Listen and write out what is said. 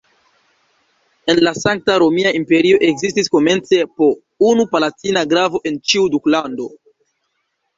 En la Sankta Romia Imperio ekzistis komence po unu palatina grafo en ĉiu duklando.